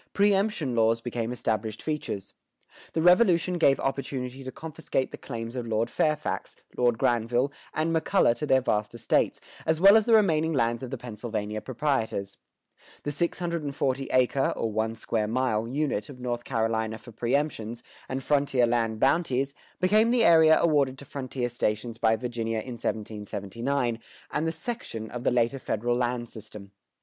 Preëmption laws became established features. The Revolution gave opportunity to confiscate the claims of Lord Fairfax, Lord Granville, and McCulloh to their vast estates, as well as the remaining lands of the Pennsylvania proprietors. The 640 acre (or one square mile) unit of North Carolina for preëmptions, and frontier land bounties, became the area awarded to frontier stations by Virginia in 1779, and the "section" of the later federal land system.